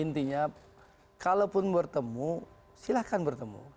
intinya kalaupun bertemu silahkan bertemu